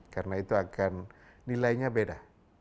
karena itu akan nilainya beda